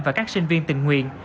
và các sinh viên tình nguyện